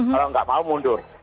kalau nggak mau mundur